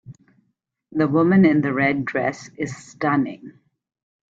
The woman in the red dress is stunning.